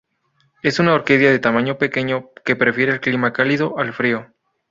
Es una orquídea de tamaño pequeño, que prefiere el clima cálido al frío.